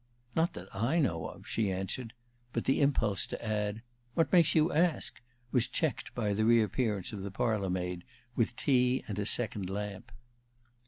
"Not that I know of," she answered; but the impulse to add, "What makes you ask?" was checked by the reappearance of the parlor maid with tea and a second lamp.